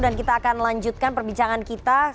dan kita akan lanjutkan perbincangan kita